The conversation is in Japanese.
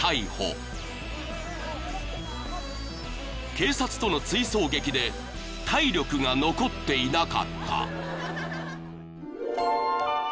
［警察との追走劇で体力が残っていなかった］